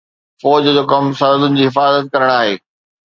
فوج جو ڪم سرحدن جي حفاظت ڪرڻ آهي